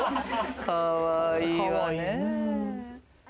かわいいわね。